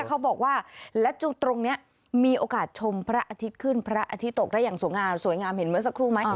เขาบอกว่าและจุดตรงนี้มีโอกาสชมพระอาทิตย์ขึ้นพระอาทิตย์ตกได้อย่างสวยงามสวยงามเห็นเมื่อสักครู่ไหม